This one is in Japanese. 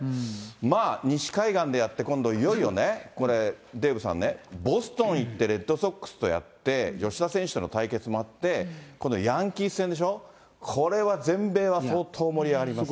まあ西海岸でやって、今度、いよいよね、これデーブさんね、ボストン行って、レッドソックスとやって、吉田選手との対決もあって、今度ヤンキース戦でしょ、これは全米は相当盛り上がりますね。